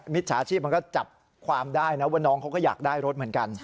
จฉาชีพมันก็จับความได้นะว่าน้องเขาก็อยากได้รถเหมือนกัน